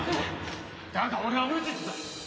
だが俺は無実だ！